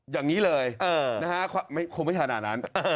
อย่างนี้เลยความประชาหน้านั้น